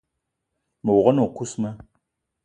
Me wog-na o kousma: